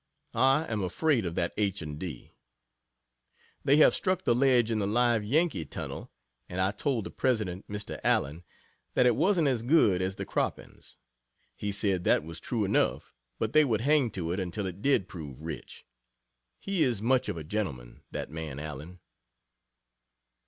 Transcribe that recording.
I am afraid of that H. and D. They have struck the ledge in the Live Yankee tunnel, and I told the President, Mr. Allen, that it wasn't as good as the croppings. He said that was true enough, but they would hang to it until it did prove rich. He is much of a gentleman, that man Allen.